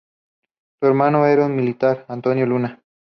Su hermano era el militar Antonio Luna.